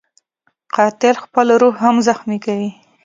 قاتل خپله روح هم زخمي کوي